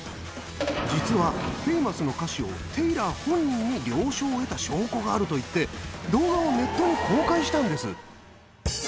実は『フェイマス』の歌詞をテイラー本人に了承を得た証拠があると言って動画をネットに公開したんです。